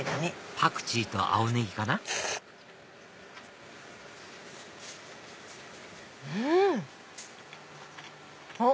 パクチーと青ネギかなうん！あっ！